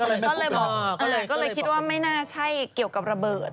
ก็เลยบอกก็เลยคิดว่าไม่น่าใช่เกี่ยวกับระเบิด